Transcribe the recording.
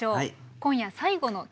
今夜最後の曲です。